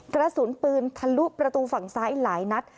กระสุนปืนทะลุประตูฝั่งซ้ายหลายนัด